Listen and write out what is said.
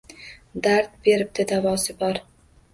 Dard beribdi, davosi bor